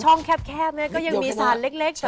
ช่องแคบเนี่ยก็ยังมีศาลเล็ก